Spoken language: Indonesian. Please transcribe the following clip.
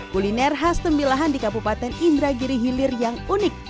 kuliner khas tembilahan di kabupaten indragiri hilir yang unik